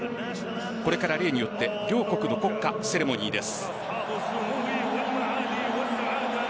これから例によって両国の国歌セレモニーです。